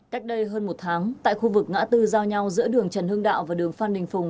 cách đây hơn một tháng tại khu vực ngã tư giao nhau giữa đường trần hưng đạo và đường phan đình phùng